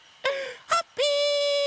ハッピー！